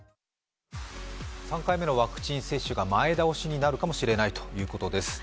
３回目のワクチン接種が前倒しになるかもしれないということです。